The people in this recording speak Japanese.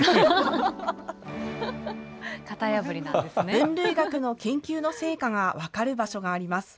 分類学の研究の成果が分かる場所があります。